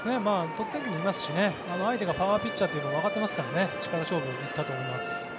相手がパワーピッチャーというのは分かっていますから力勝負にいったと思います。